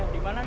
ini buat lo